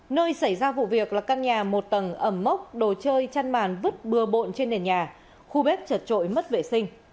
nơi xảy ra vụ việc là căn nhà một tầng ẩm mốc đồ chơi chăn màn vứt bừa bộn trên nền nhà khu bếp chật trội mất vệ sinh